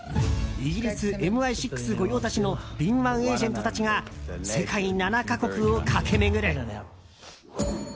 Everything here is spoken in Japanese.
イギリスＭＩ６御用達の敏腕エージェントたちが世界７か国を駆け巡る。